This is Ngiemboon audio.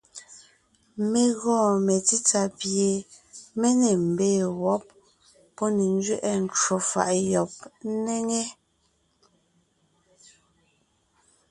Mé gɔɔn metsítsà pie mé ne mbee wɔ́b, pɔ́ ne nzẅɛʼɛ ncwò faʼ yɔb ńnéŋe,